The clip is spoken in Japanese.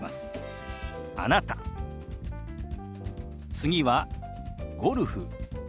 次は「ゴルフ」。